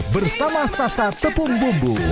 bersama sasa tepung bumbu